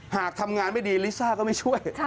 หากทำงานไม่ดีลิซ่าก็ไม่ช่วย